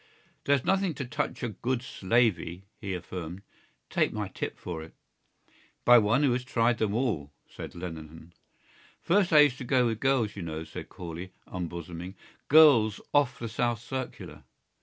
"There's nothing to touch a good slavey," he affirmed. "Take my tip for it." "By one who has tried them all," said Lenehan. "First I used to go with girls, you know," said Corley, unbosoming; "girls off the South Circular.